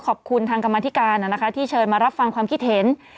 ขอบคุณทางกรรมธิการที่เชิญมารับฟังความคิดเห็น